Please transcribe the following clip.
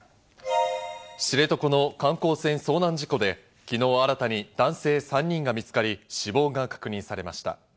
知床の観光船遭難事故で昨日、新たに男性３人が見つかり、死亡が確認されました。